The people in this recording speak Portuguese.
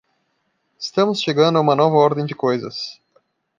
Estamos chegando a uma nova ordem de coisas.